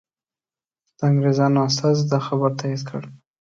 د انګریزانو استازي دا خبر تایید کړ.